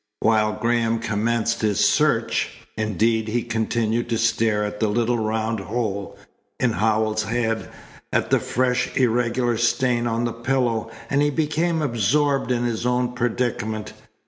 While Graham commenced his search, indeed, he continued to stare at the little round hole in Howells's head, at the fresh, irregular stain on the pillow, and he became absorbed in his own predicament.